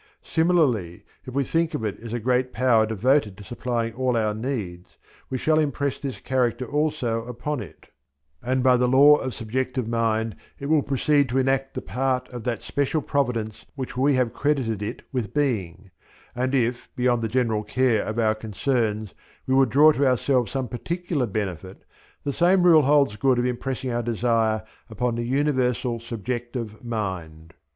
Similarly if we think of it as a great power devoted to supplying all our needs, we shall impress this character also upon it, and by the law of subjective mind it will proceed to enact the part of that special providence which we have credited it with being; and if, beyond the general care of our concerns, we would draw to ourselves some particular benefit, the same rule holds good of impressing our desire upon the Universal Subjective Mind.